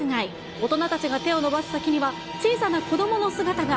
大人たちが手を伸ばす先には、小さな子どもの姿が。